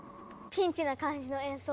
ピンチな感じの演奏。